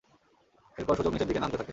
এরপর সূচক নিচের দিকে নামতে থাকে।